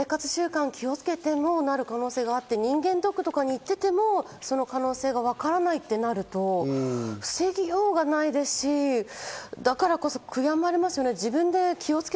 生活習慣に気をつけてもなる可能性があって、人間ドックに行っていても、その可能性がわからないってなると防ぎようがないですし、だからこそ悔やまれますね。